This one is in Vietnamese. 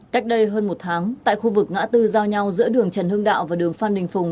cách đây hơn một tháng tại khu vực ngã tư giao nhau giữa đường trần hưng đạo và đường phan đình phùng